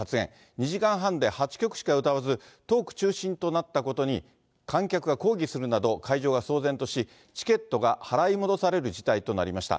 ２時間半で８曲しか歌わず、トーク中心となったことに観客が抗議するなど、会場は騒然とし、チケットが払い戻される事態となりました。